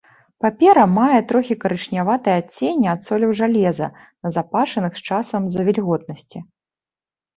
Папера мае трохі карычняватае адценне ад соляў жалеза, назапашаных з часам з-за вільготнасці.